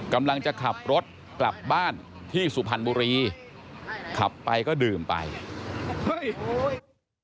กำลังจะขับรถกลับบ้านที่สุพรรณบุรีขับไปก็ดื่มไปเฮ้ยโอ้ย